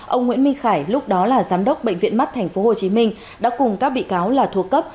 ông nguyễn minh khải lúc đó là giám đốc bệnh viện mắt tp hcm đã cùng các bị cáo là thuộc cấp